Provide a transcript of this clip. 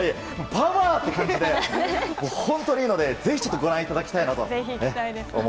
パワー！という感じで本当にいいので、ぜひご覧いただきたいなと。